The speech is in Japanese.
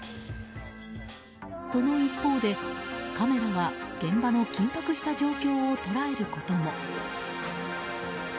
その一方でカメラは現場の緊迫した状況を捉えることも。